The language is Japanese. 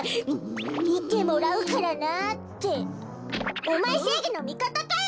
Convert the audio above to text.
「みてもらうからな」っておまえせいぎのみかたかよ！